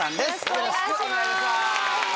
よろしくお願いします。